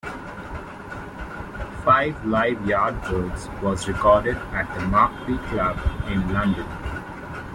"Five Live Yardbirds" was recorded at the Marquee Club in London.